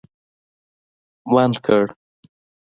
بند کړ